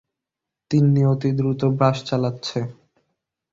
তিন্নি অতি দ্রুত ব্রাশ চালাচ্ছে।